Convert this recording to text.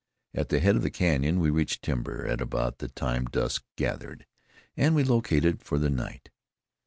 At the head of the canyon we reached timber at about the time dusk gathered, and we located for the night.